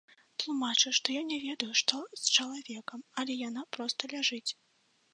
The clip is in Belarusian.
Тлумачу, што я не ведаю, што з чалавекам, але яна проста ляжыць.